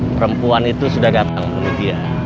perempuan itu sudah datang